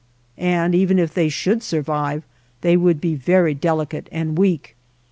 And even if they should survive, they would be very delicate and weak.